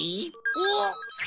おっ！